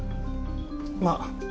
まあ。